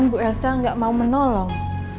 bu elsa gak mau menolong